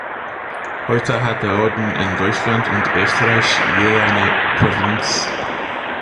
Heute hat der Orden in Deutschland und Österreich je eine Provinz.